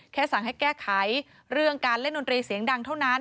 สั่งให้แก้ไขเรื่องการเล่นดนตรีเสียงดังเท่านั้น